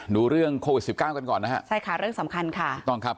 ดูเรื่องโควิดสิบเก้ากันก่อนนะฮะใช่ค่ะเรื่องสำคัญค่ะถูกต้องครับ